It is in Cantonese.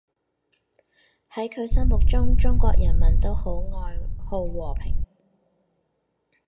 喺佢心目中，中國人民都愛好和平